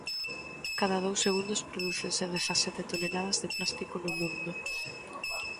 Cada dous segundos prodúcense dezasete toneladas de plástico no mundo.